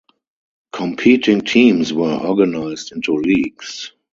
Competing teams were organized into leagues.